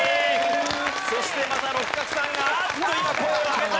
そしてまた六角さんが「あっ」と今声を上げた！